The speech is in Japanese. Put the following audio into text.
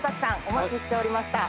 お待ちしておりました